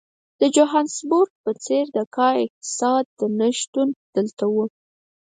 د جوهانسبورګ په څېر د کا اقتصاد نه شتون دلته وو.